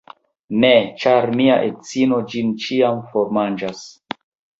Ne, ĉar mia edzino ĝin ĉiam formanĝas.